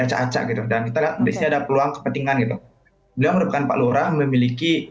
acak acak gitu dan kita lihat disini ada peluang kepentingan gitu beliau merupakan pak lora memiliki